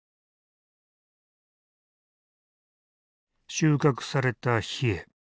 収穫されたヒエ。